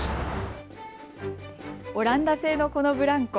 オランダ製のこのブランコ。